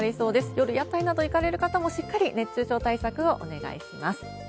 夜、屋台など行かれる方も、しっかり熱中症対策をお願いします。